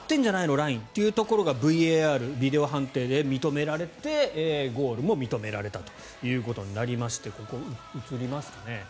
ラインというところがＶＡＲ、ビデオ判定で認められて、ゴールも認められたということになりまして映りますかね。